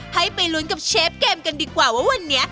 ให้ไปลุ้นกับเชฟเกมกันดีกว่าว่าวันนี้